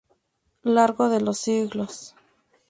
L: Largo de los ciclos.